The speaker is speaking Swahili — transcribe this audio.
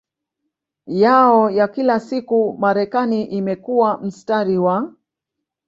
yao ya kila siku Marekani imekuwa mstari wa